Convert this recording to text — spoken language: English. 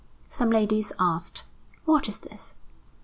Some ladies asked: "What is this?"